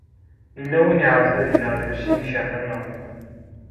Yella win i iɛeṛḍen ad ineɣ Lḥusin n Caɛban u Ṛemḍan.